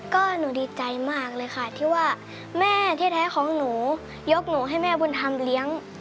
ก็หนูดีใจมากเลยค่ะที่ว่าแม่แท้ของหนูยกหนูให้แม่บุญธรรมเลี้ยง